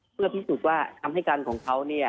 เมื่อที่สุดว่าคำให้การของเขา